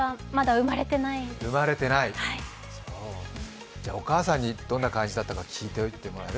生まれてない、そう、じゃお母さんにどんな感じだったか聞いておいてもらえる？